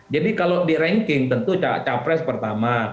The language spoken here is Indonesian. jadi kalau di ranking tentu cawapres pertama